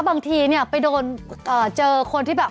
บางทีเนี่ยอาจเป็นเจอที่แบบ